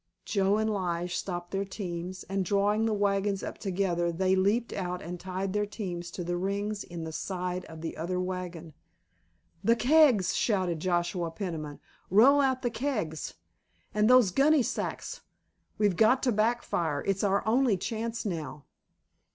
Joe and Lige stopped their teams, and drawing the wagons up together they leaped out and tied their teams to the rings in the side of the other wagon. "The kegs!" shouted Joshua Peniman, "roll out the kegs, and those gunny sacks! We've got to back fire, it's our only chance now!"